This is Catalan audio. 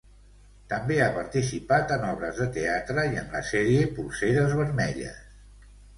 També ha participat en obres de teatre i en la sèrie Polseres vermelles.